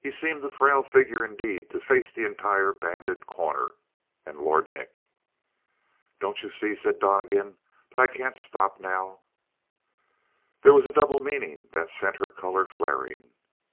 He seemed a frail figure indeed to face the entire banded Corner and Lord Nick. "Don't you see," said Donnegan, "that I can't stop now?" There was a double meaning that sent her color flaring.